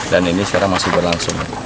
dan ini sekarang masih berlangsung